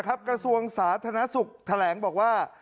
นะครับเกฏรสวงสาธาสุขแถลงบอกว่า